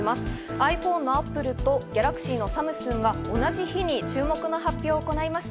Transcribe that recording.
ｉＰｈｏｎｅのＡｐｐｌｅとＧａｌａｘｙのサムスンが同じ日に注目の発表を行いました。